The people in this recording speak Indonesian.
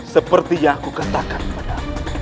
seperti yang aku katakan pada